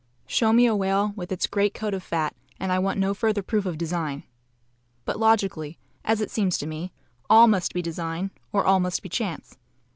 Show me a whale with its great coat of fat, and I want no further proof of design. But logically, as it seems to me, ALL must be design, or all must be chance.